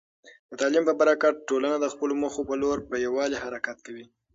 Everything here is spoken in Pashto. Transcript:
د تعلیم په برکت، ټولنه د خپلو موخو په لور په یووالي حرکت کوي.